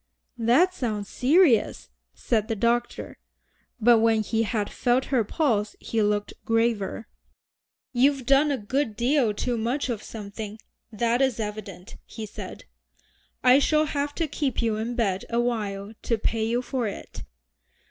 "That sounds serious," said the doctor. But when he had felt her pulse he looked graver. "You've done a good deal too much of something, that is evident," he said. "I shall have to keep you in bed awhile to pay you for it."